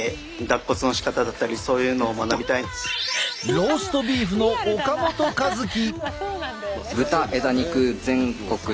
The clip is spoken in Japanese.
ローストビーフの岡本一希。